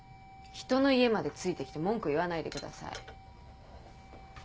ひとの家までついて来て文句言わないでください。